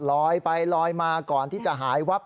ลอยไปลอยมาก่อนที่จะหายวับ